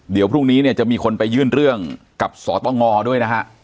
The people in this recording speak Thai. เดี๋ยวพรุ่งนี้เนี่ยจะมีคนไปยื่นเรื่องกับสตงด้วยนะฮะ